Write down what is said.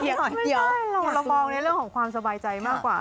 เดี๋ยวเรามองในเรื่องของความสบายใจมากกว่า